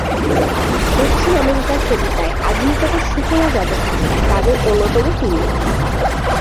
দক্ষিণ আমেরিকার কবিতায় আধুনিকতার সূচনা যাদের হাতে, তাদের অন্যতম তিনি।